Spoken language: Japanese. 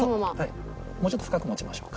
もうちょっと深く持ちましょうか。